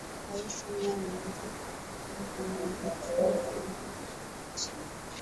Rais Samia ameeleza kuwa hapendi kuona Mwanamke akiwekwa kama mtu wa daraja la chini